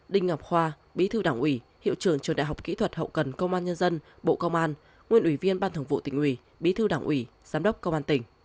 đinh ngọc khoa bí thư đảng ủy hiệu trưởng trường đại học kỹ thuật hậu cần công an nhân dân bộ công an nguyên ủy viên ban thường vụ tỉnh ủy bí thư đảng ủy giám đốc công an tỉnh